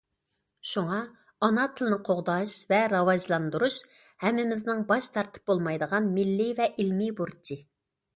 شۇڭا ئانا تىلنى قوغداش ۋە راۋاجلاندۇرۇش ھەممىمىزنىڭ باش تارتىپ بولمايدىغان مىللىي ۋە ئىلمىي بۇرچى.